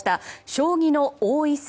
将棋の王位戦